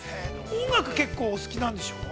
◆音楽結構お好きなんでしょう？